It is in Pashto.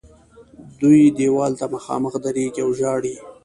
دوی دیوال ته مخامخ درېږي او ژاړي.